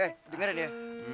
eh dengerin ya